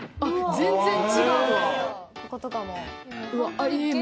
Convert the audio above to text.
全然違うわ。